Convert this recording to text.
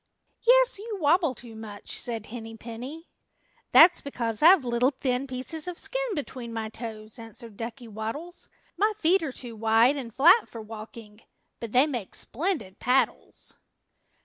"Yes, you wabble too much!" said Henny Penny. "That's because I've little thin pieces of skin between my toes," answered Ducky Waddles. "My feet are too wide and flat for walking, but they make splendid paddles."